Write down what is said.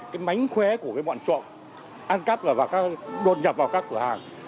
cái mánh khóe của cái bọn trộm ăn cắp và đột nhập vào các cửa hàng